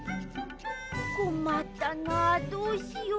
こまったなどうしよう。